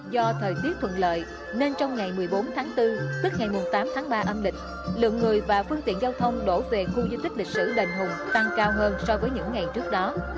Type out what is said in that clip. do thời tiết thuận lợi nên trong ngày một mươi bốn tháng bốn tức ngày tám tháng ba âm lịch lượng người và phương tiện giao thông đổ về khu di tích lịch sử đền hùng tăng cao hơn so với những ngày trước đó